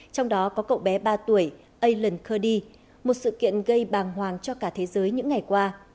trong đó có cậu bé ba tuổi alen kurdy một sự kiện gây bàng hoàng cho cả thế giới những ngày qua